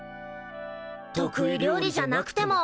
得意料理じゃなくても。